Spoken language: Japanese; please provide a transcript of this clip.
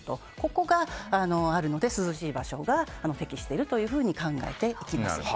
ここがあるので涼しい場所が適していると考えていきます。